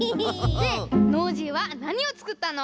でノージーはなにをつくったの？